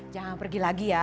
jangan pergi lagi ya